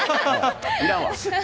いらんわ。